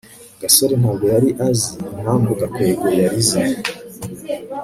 gasore ntabwo yari azi impamvu gakwego yarize